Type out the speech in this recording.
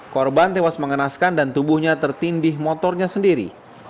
korban tewas mengenaskan dan tubuhnya tertindih motornya sendiri